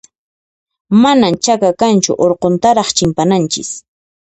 Manan chaka kanchu, urquntaraq chimpananchis.